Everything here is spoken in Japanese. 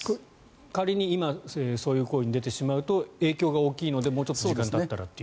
仮に今そういう行為に出てしまうと影響が大きいので、もうちょっと時間がたったらという。